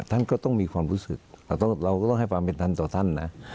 ท่านก็ต้องมีความรู้สึกเราก็ต้องให้ความเป็นธรรมต่อท่านนะ